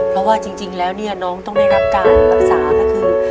เพราะว่าจริงแล้วเนี่ยน้องต้องได้รับการรักษาก็คือ